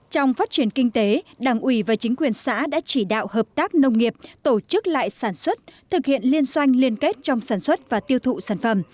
trong phát triển kinh tế đảng ủy và chính quyền xã đã chỉ đạo hợp tác nông nghiệp tổ chức lại sản xuất thực hiện liên doanh liên kết trong sản xuất và tiêu thụ sản phẩm